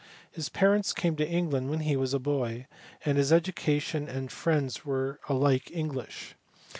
His parents came to England when he was a boy, and his education and friends were alike English.